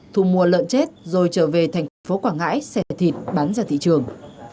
thu mua lợn chết rồi trở về thành phố quảng ngãi xẻ thịt bán ra thị trường